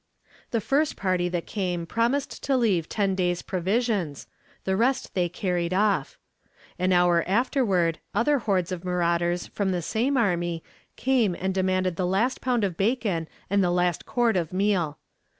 "The first party that came promised to leave ten days' provisions, the rest they carried off. An hour afterward, other hordes of marauders from the same army came and demanded the last pound of bacon and the last quart of meal.